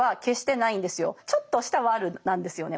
ちょっとしたワルなんですよね